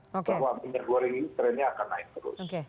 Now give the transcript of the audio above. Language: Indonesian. bahwa minyak goreng ini trennya akan naik terus